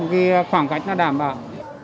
vì khoảng cách nó đảm bảo